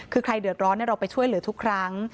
คือใครเดือดร้อนเราไปช่วยเหลือทุกครั้ง